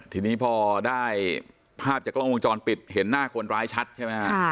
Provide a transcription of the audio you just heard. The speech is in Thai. ทีนี้พอได้ภาพจากกล้องวงจรปิดเห็นหน้าคนร้ายชัดใช่ไหมฮะ